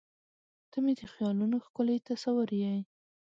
• ته مې د خیالونو ښکلی تصور یې.